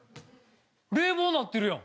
冷房なってるやん。